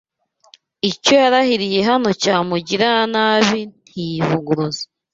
Icyo yarahiriye naho cyamugirira nabi, ntiyivuguruza